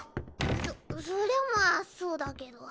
そそりゃまあそうだけど。